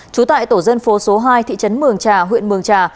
trú tại tổ dân phố số hai thị trấn mường trà huyện mường trà